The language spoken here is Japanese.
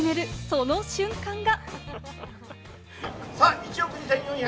その瞬間が。